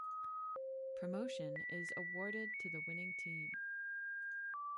Promotion is awarded to the winning team.